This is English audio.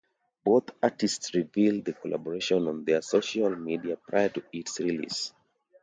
Both artists revealed the collaboration on their social media prior to its release.